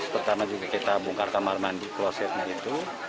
pertama juga kita bongkar kamar mandi klosetnya itu